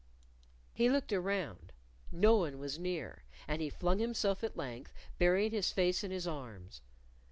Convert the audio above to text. He looked around; no one was near, and he flung himself at length, burying his face in his arms.